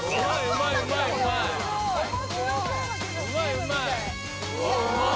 うまいうまい！